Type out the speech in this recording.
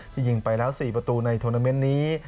ที่ยิงไปแล้ว๔ประตูในทวนเตอร์เมนต์นี้